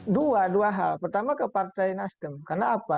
dua dua hal pertama ke partai nasdem karena apa